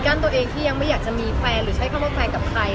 ตัวเองที่ยังไม่อยากจะมีแฟนหรือใช้คำว่าแฟนกับใคร